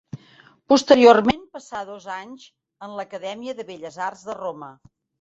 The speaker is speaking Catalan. Posteriorment passà dos anys en l'Acadèmia de Belles Arts de Roma.